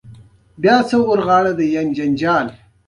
هلمند سیند ډېرې ځمکې خړوبوي.